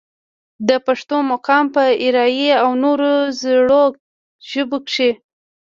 د پښتو مقام پۀ اريائي او نورو زړو ژبو کښې